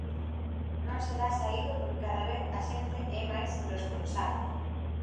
Non se dá saído porque cada vez a xente é máis irresponsable.